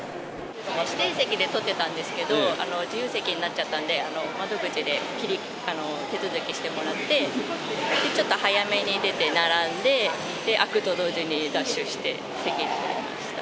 指定席で取ってたんですけど、自由席になっちゃったんで、窓口で手続きしてもらって、ちょっと早めに出て並んで、開くと同時にダッシュして、席が取れました。